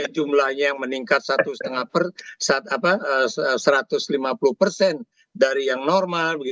jumlahnya yang meningkat satu ratus lima puluh persen dari yang normal